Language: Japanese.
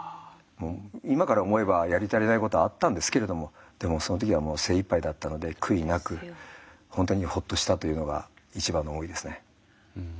今から思えばやり足りないことあったんですけれどもでもその時はもう精いっぱいだったので悔いなく本当にほっとしたというのが一番の思いですね。